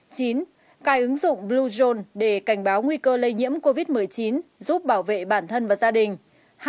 chín cai ứng dụng bluezone để cảnh báo nguy cơ lây nhiễm covid một mươi chín giúp bảo vệ bản thân và gia đình